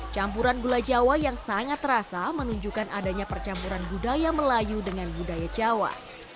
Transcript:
campuran gula jawa yang sangat terasa menunjukkan adanya percampuran budaya melayu dengan budaya jawa